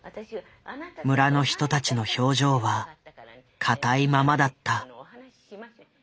村の人たちの表情は硬いままだった。